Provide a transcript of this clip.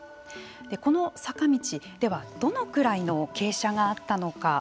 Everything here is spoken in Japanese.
この坂道ではどのぐらいの傾斜があったのか。